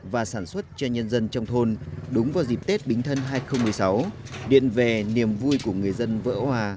và sản xuất cho nhân dân trong thôn đúng vào dịp tết bính thân hai nghìn một mươi sáu điện về niềm vui của người dân vỡ hòa